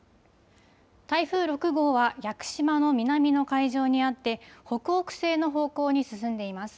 台風６号は屋久島の南の海上にあって、北北西の方向に進んでいます。